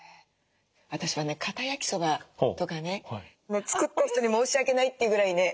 私はねかた焼きそばとかね作った人に申し訳ないっていうぐらいね